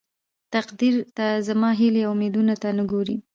تقديره ته زما هيلې او اميدونه ته نه ګورې.